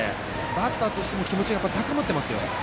バッターとしても気持ちが高まっていますよ。